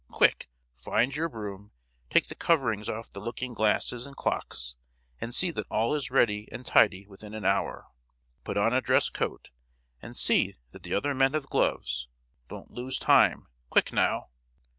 Quick—find your broom; take the coverings off the looking glasses and clocks, and see that all is ready and tidy within an hour. Put on a dress coat, and see that the other men have gloves: don't lose time. Quick, now!"